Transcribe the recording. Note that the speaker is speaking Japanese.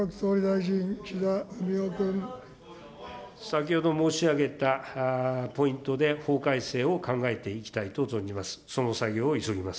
先ほど申し上げたポイントで、法改正を考えていきたいと存じます。